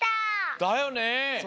だよね！